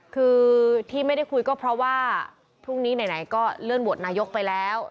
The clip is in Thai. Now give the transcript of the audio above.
คือที่ไม่ได้คุยก็เพราะว่าพรุ่งนี้ไหนก็เลื่อนโหวตนายกไปแล้ว